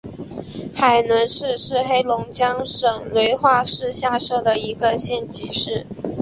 海伦市是黑龙江省绥化市下辖的一个县级市。